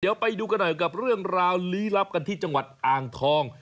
เดี๋ยวไปดูกันหน่อยกับเรื่องราวลี้ลับกันที่จังหวัดอ่างทอง